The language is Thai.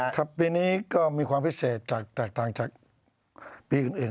ครับปีนี้ก็มีความพิเศษจากแตกต่างจากปีอื่น